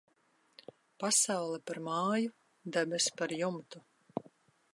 Pasaule par māju, debess par jumtu.